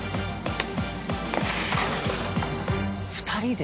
２人で！？